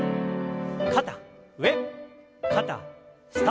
肩上肩下。